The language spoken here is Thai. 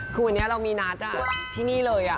คือวันนี้เรามีนัดที่นี่เลย